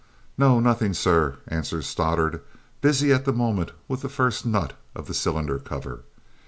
"No, nothing, sir," answered Stoddart, busy at the moment with the first nut of the cylinder cover.